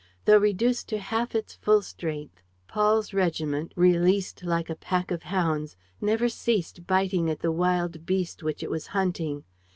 Though reduced to half its full strength, Paul's regiment, released like a pack of hounds, never ceased biting at the wild beast which it was hunting.